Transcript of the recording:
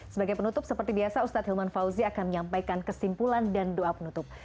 sebagai penutup seperti biasa ustadz hilman fauzi akan menyampaikan kesimpulan dan doa penutup